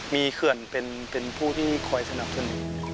มีเขื่อนเป็นผู้ที่คอยสนับสนุน